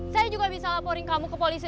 saya juga bisa laporin kamu ke polisi